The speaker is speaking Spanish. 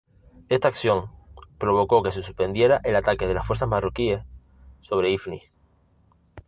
Esta acción, provocó que se suspendiera el ataque de las fuerzas marroquíes sobre Ifni.